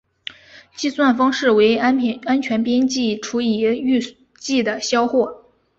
计算方式为安全边际除以预计的销货。